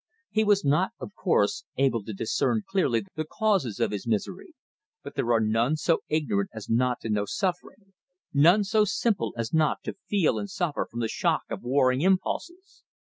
He was not, of course, able to discern clearly the causes of his misery; but there are none so ignorant as not to know suffering, none so simple as not to feel and suffer from the shock of warring impulses.